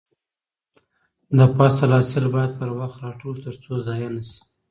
د فصل حاصل باید پر وخت راټول شي ترڅو ضايع نشي.